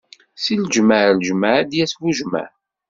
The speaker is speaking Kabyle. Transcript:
Si leǧmaɛ ar leǧmaɛ, ad d-yas bujmaɛ.